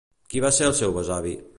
Qui va ser el seu besavi?